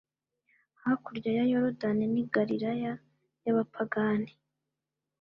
hakurya ya Yorodani n'i Galilaya y'abapagane;